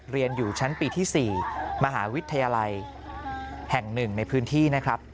เรียนอยู่ชั้นปีที่๔มหาวิทยาลัยแห่งหนึ่งในพื้นที่นะครับ